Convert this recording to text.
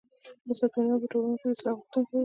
استاد بينوا په ټولنه کي د اصلاح غوښتونکی و.